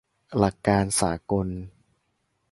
หลักการสากล